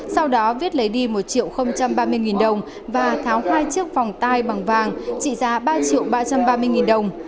sau đó viết lấy đi một triệu ba mươi đồng và tháo hai chiếc phòng tai bằng vàng trị giá ba triệu ba trăm ba mươi đồng